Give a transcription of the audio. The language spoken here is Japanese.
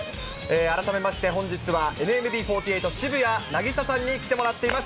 改めまして、本日はＮＭＢ４８・渋谷凪咲さんに来てもらっています。